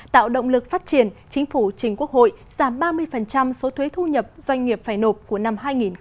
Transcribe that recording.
tạo động lực phát triển chính phủ chính quốc hội giảm ba mươi số thuế thu nhập doanh nghiệp phải nộp của năm hai nghìn hai mươi